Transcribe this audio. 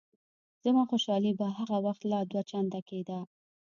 زما خوشحالي به هغه وخت لا دوه چنده کېده.